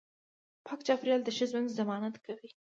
پاک چاپیریال د ښه ژوند ضمانت کوي